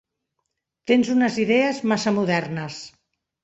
Tens unes idees massa modernes.